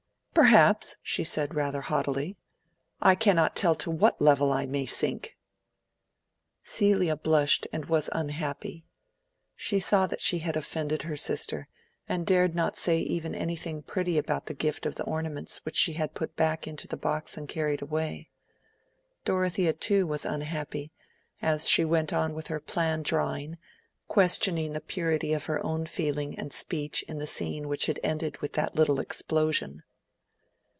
"Perhaps," she said, rather haughtily. "I cannot tell to what level I may sink." Celia blushed, and was unhappy: she saw that she had offended her sister, and dared not say even anything pretty about the gift of the ornaments which she put back into the box and carried away. Dorothea too was unhappy, as she went on with her plan drawing, questioning the purity of her own feeling and speech in the scene which had ended with that little explosion.